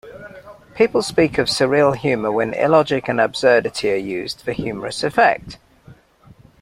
People speak of surreal humour when illogic and absurdity are used for humorous effect.